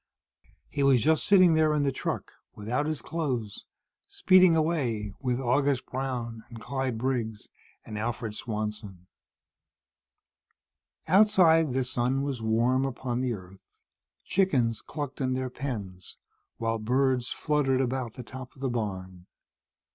He was just sitting there, in the truck, without his clothes, speeding away with August Brown and Clyde Briggs and Alfred Swanson. Outside, the sun was warm upon the earth. Chickens clucked in their pens, while birds fluttered about the top of the barn.